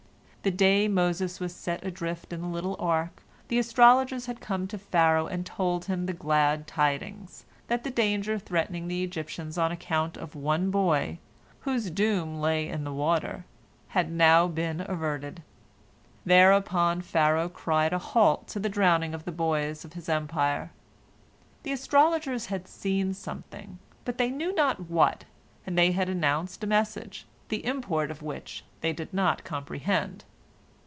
The day Moses was set adrift in the little ark, the astrologers had come to Pharaoh and told him the glad tidings, that the danger threatening the Egyptians on account of one boy, whose doom lay in the water, had now been averted. Thereupon Pharaoh cried a halt to the drowning of the boys of his empire. The astrologers had seen something, but they knew not what, and they announced a message, the import of which they did not comprehend.